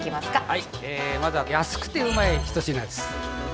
はいまずは安くてうまい一品です